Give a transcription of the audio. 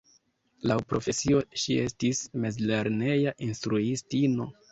Laŭ profesio, ŝi estis mezlerneja instruistino.